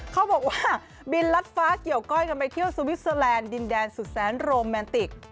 เขาบอกว่าบินลัดฟ้าเกี่ยวก้อยกันไปเที่ยวสวิสเตอร์แลนด์ดินแดนสุดแสนโรแมนติก